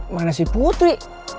mana si putri